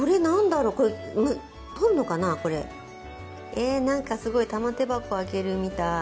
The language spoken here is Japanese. えなんかすごい玉手箱開けるみたい。